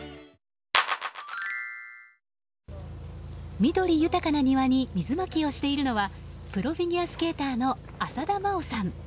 緑豊かな庭に水まきをしているのはプロフィギュアスケーターの浅田真央さん。